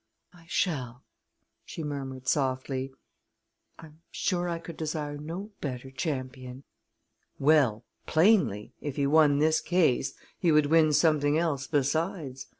"I shall," she murmured softly. "I'm sure I could desire no better champion!" Well, plainly, if he won this case he would win something else besides.